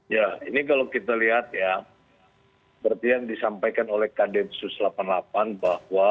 ya ini kalau kita lihat ya seperti yang disampaikan oleh kd sus delapan puluh delapan bahwa